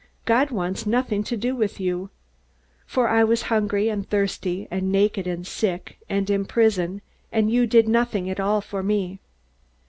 God wants nothing to do with you! For I was hungry, and thirsty, and naked, and sick, and in prison, and you did nothing at all for me.'